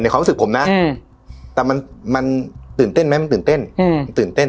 ในความรู้สึกผมนะอืมแต่มันมันตื่นเต้นไหมมันตื่นเต้นอืม